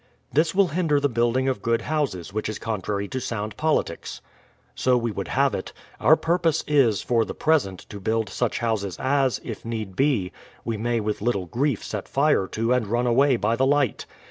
This will hinder the building of good houses, which is contrary to sound politics :— So we would have it. Our purpose is, for the present, to build such houses as, if need be, we may with little grief set fire to and run away by the light.